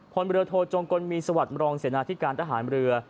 พลเรือโทจงกลมีสวัสดิมรองเสนาธิการทหารเรือ